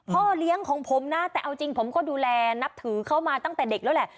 พ่อเลี้ยงของผมนะแต่เอาจริงผมก็ดูแลนับถือเขามาตั้งแต่เด็กแล้วแหละ